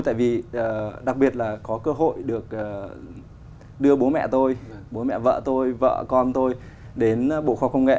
tại vì đặc biệt là có cơ hội được đưa bố mẹ tôi bố mẹ vợ tôi vợ con tôi đến bộ khoa công nghệ